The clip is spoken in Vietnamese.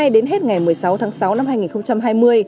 đến hết ngày một mươi sáu tháng sáu năm hai nghìn hai mươi